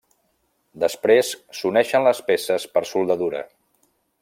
Després s'uneixen les peces per soldadura.